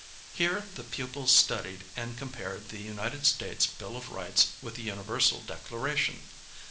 Here the pupils studied and compared the United States Bill of Rights with the Universal Declaration.